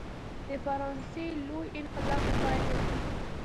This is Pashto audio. د فرانسې لوی انقلاب په پایله کې.